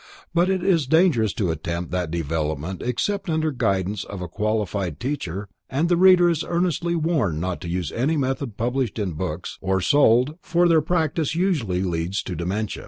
But it is dangerous to attempt that development except under guidance of a qualified teacher, and the reader is earnestly warned not to use any method published in books, or sold, for their practice usually leads to dementia.